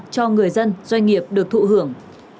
cho người dân doanh nghiệp được thụ hưởng